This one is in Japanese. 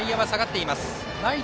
外野は下がっています。